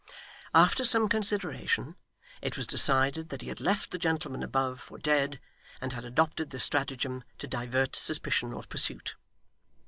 After some consideration, it was decided that he had left the gentleman above, for dead, and had adopted this stratagem to divert suspicion or pursuit.